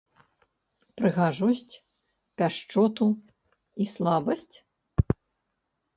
Прыгажосць, пяшчоту і слабасць?